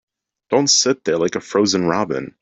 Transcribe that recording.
Don't sit there like a frozen robin.